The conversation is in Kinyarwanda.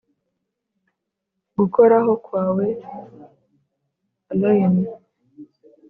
gukoraho kwawe, allayne.